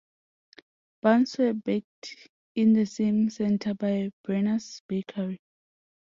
Buns were baked in the same center by Brenner's Bakery.